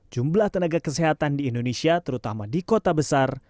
jumlah tenaga kesehatan di indonesia terutama di kota besar